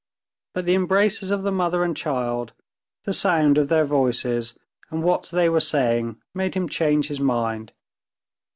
But the embraces of the mother and child, the sound of their voices, and what they were saying, made him change his mind.